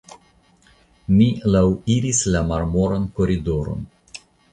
Ni laŭiris la marmoran koridoron.